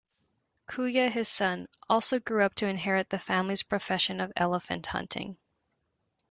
Kuje, his son, also grew up to inherit the family’s profession of elephant hunting.